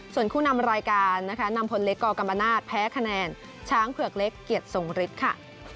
ส่วนคู่นำรายการนะคะนำพลเล็กกกรรมนาศแพ้คะแนนช้างเผือกเล็กเกียรติทรงฤทธิ์ค่ะ